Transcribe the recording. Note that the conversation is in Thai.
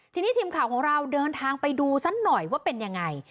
ทีนี้ทีมข่าวของเราเดินทางไปดูซะหน่อยว่าเป็นยังไง